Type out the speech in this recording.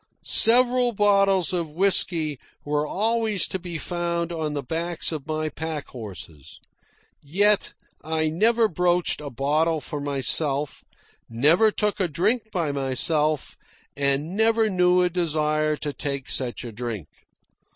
Several bottles of whisky were always to be found on the backs of my pack horses. Yet I never broached a bottle for myself, never took a drink by myself, and never knew a desire to take such a drink.